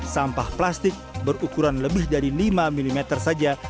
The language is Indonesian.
sampah plastik berukuran lebih dari lima mm saja